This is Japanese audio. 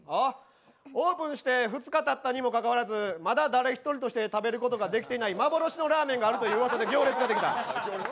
オープンして２日たったにもかかわらず、まだ誰一人食べることができてない幻のラーメンがあると言わせて行列ができた。